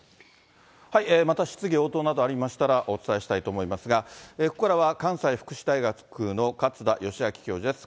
また質疑応答などありましたら、お伝えしたいと思いますが、ここからは関西福祉大学の勝田吉彰教授です。